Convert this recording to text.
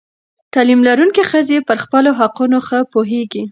تعلیم لرونکې ښځې پر خپلو حقونو ښه پوهېږي.